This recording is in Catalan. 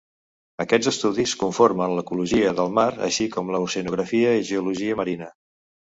Aquests estudis conformen l'ecologia del mar així com l'oceanografia i geologia marina.